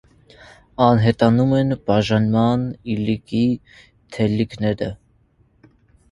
Անհետանում են բաժանման իլիկի թելիկները։